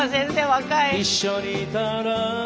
若い！